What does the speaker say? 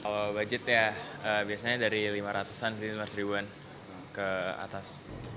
kalau budget ya biasanya dari lima ratus an sini lima ratus ribuan ke atas